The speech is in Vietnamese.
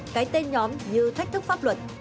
cái tên nhóm như thách thức pháp luật